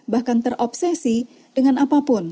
bahkan terobsesi dengan apapun